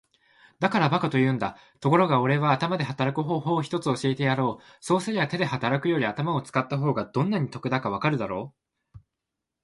「だから馬鹿と言うんだ。ところがおれは頭で働く方法を一つ教えてやろう。そうすりゃ手で働くより頭を使った方がどんなに得だかわかるだろう。」